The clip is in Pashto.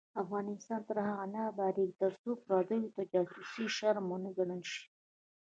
افغانستان تر هغو نه ابادیږي، ترڅو پردیو ته جاسوسي شرم ونه ګڼل شي.